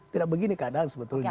tidak begini keadaan sebetulnya